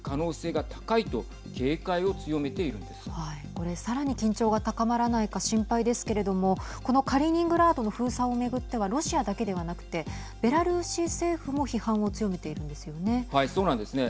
これさらに緊張が高まらないか心配ですけれどもこのカリーニングラードの封鎖を巡ってはロシアだけではなくてベラルーシ政府も批判を強めているんですよね。